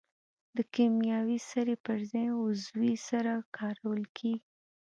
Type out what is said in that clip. د کیمیاوي سرې پر ځای عضوي سره کارول کیږي.